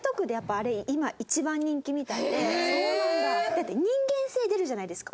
だって人間性出るじゃないですか。